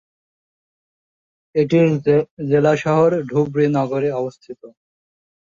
এটির জেলা সদর ধুবড়ী নগরে অবস্থিত।